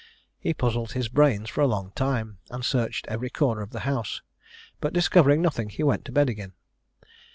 He puzzled his brains for a long time, and searched every corner of the house; but, discovering nothing, he went to bed again.